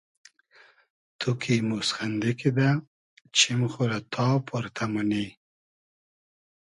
تو کی موسخئندی کیدہ چیم خو رۂ تا پۉرتۂ مونی